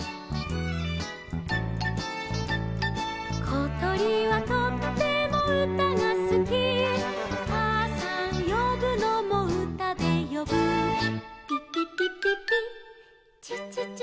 「ことりはとってもうたがすき」「かあさんよぶのもうたでよぶ」「ぴぴぴぴぴちちちちち」